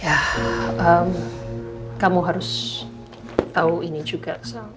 ya kamu harus tau ini juga